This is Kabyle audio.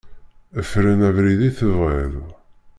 Fren abrid i tebɣiḍ.